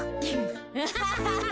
アハハハ。